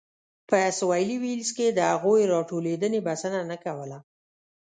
په سوېلي ویلز کې د هغوی راټولېدنې بسنه نه کوله.